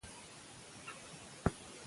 په افغانستان کې د تودوخه منابع شته.